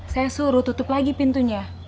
saya suruh tutup lagi pintunya